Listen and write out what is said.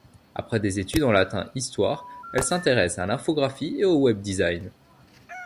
Après des études en latin-histoire, elle s'intéresse à l'infographie et au webdesign.